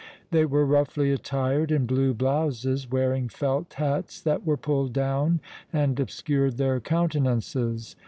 They were roughly attired in blue blouses, wearing felt hats that were pulled down and obscured their countenances.